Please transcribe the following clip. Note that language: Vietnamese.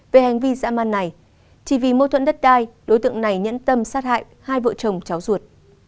về hành vi giã man này chỉ vì mâu thuẫn đất đai đối tượng này nhẫn tâm sát hại hai vợ chồng cháu ruột